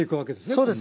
そうです。